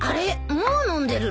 もう飲んでるの？